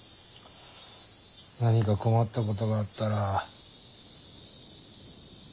何か困ったことがあったら。